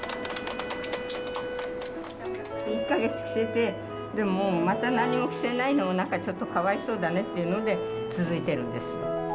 １か月着せてまた何も着せないのもちょっとかわいそうだねっていうので続いているんです。